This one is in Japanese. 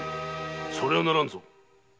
それはならんぞ！